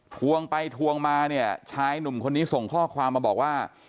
ทวงไปทวงมาเนี่ยชายหนุ่มคนนี้ส่งข้อความมาบอกว่า